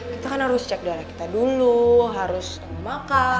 kita kan harus cek darah kita dulu harus rumah makan